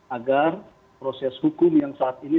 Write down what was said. agar proses hukum yang saat ini